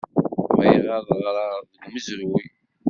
Bɣiɣ ad ɣreɣ deg umezruy.